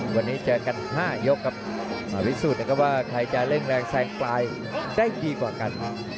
วันนี้เจอกัน๕ยกครับอวิสุทธิ์ก็ว่าใครจะเร่งแรงแสงปลายได้ดีกว่ากัน